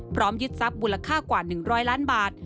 พร้อมยึดทรัพย์บูรค่ากว่า๑๐๐ล้านบาท